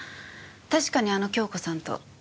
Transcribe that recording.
確かにあの京子さんと。